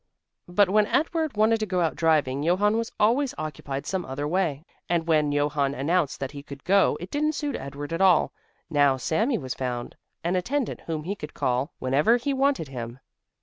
But when Edward wanted to go out driving Johann was always occupied some other way, and when Johann announced that he could go it didn't suit Edward at all. Now Sami was found, an attendant whom he could call whenever he wanted him.